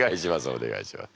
お願いします。